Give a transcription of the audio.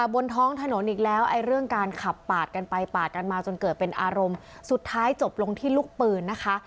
บนท้องถนนอีกแล้วไอ้เรื่องการขับปาดกันไปปาดกันมาจนเกิดเป็นอารมณ์สุดท้ายจบลงที่ลูกปืนนะคะ